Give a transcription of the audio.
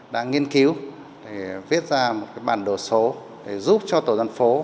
đã nghiên cứu viết ra một bản đồ số để giúp cho tổ dân phố